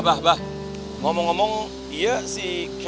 bah bu jodoh